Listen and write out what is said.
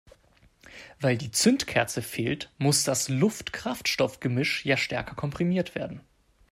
Weil die Zündkerze fehlt, muss das Luft-Kraftstoff-Gemisch ja stärker komprimiert werden.